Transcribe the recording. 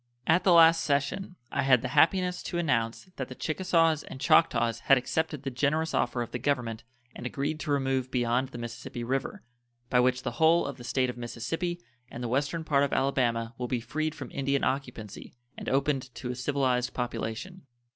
At the last session I had the happiness to announce that the Chickasaws and Choctaws had accepted the generous offer of the Government and agreed to remove beyond the Mississippi River, by which the whole of the State of Mississippi and the western part of Alabama will be freed from Indian occupancy and opened to a civilized population.